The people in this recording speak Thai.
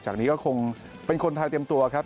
จากนี้ก็คงเป็นคนไทยเตรียมตัวครับ